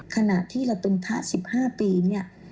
ขณะที่เราเป็นพระ๑๕ปีเนี่ย